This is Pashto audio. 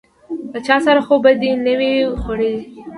_له چا سره خو به دي نه و ي خوړلي؟